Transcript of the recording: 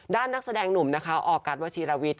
ด้านนักแสดงหนุ่มนะคะออกัสวาชีราวิทย์